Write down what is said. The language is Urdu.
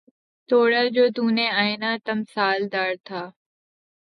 توڑا جو تو نے آئنہ تمثال دار تھا